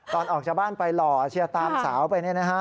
ออกจากบ้านไปหล่อเชียร์ตามสาวไปเนี่ยนะฮะ